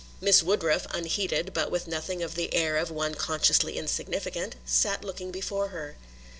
Miss Woodruff, unheeded, but with nothing of the air of one consciously insignificant, sat looking before her.